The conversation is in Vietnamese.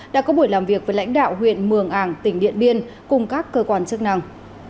đã có buổi làm việc với lãnh đạo huyện mường ảng tỉnh điện biên cùng các cơ quan chức năng